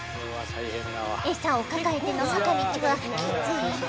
餌を抱えての坂道はきつい。